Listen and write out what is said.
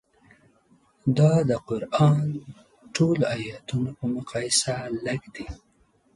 دا د قران ټولو ایتونو په مقایسه لږ دي.